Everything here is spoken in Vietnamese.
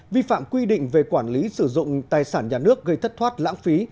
vi phạm quy định về quản lý sử dụng tài sản nhà nước gây thất thoát lãng phí